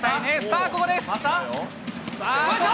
さあ、ここです。